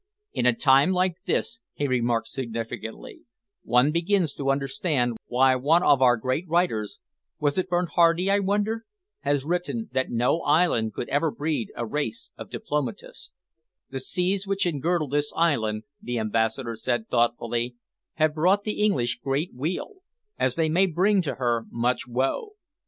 "In a time like this," he remarked significantly, "one begins to understand why one of our great writers was it Bernhardi, I wonder? has written that no island could ever breed a race of diplomatists." "The seas which engirdle this island," the Ambassador said thoughtfully, "have brought the English great weal, as they may bring to her much woe.